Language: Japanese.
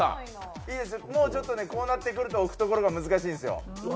もうちょっと、こうなってくると置くところが難しいんですよ。